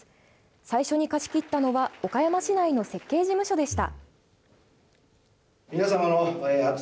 最初に貸し切ったのは岡山市内の設計事務所でした。